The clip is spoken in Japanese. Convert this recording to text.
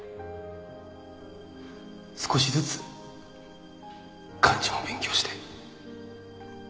少しずつ漢字も勉強して。